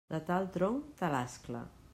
De tal tronc, tal ascla.